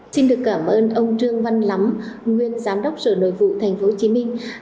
xin được cảm ơn ông trương văn lắm nguyên giám đốc sở nội vụ tp hcm